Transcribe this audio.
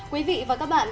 quý vị và các bạn